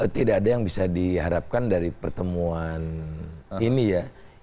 tidak ada yang bisa diharapkan dari pertemuan ini ya